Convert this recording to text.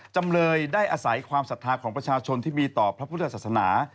จำเลยได้อาศัยความศรัทธาของประชาชนที่มีต่อพระพุทธศาสนา